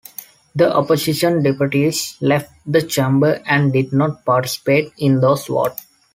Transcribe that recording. The opposition deputies left the chamber and did not participate in those votes.